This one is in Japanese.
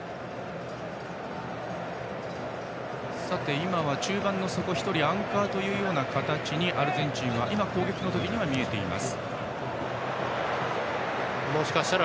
今は中盤の底アンカーというような形にアルゼンチンは攻撃時には見えています。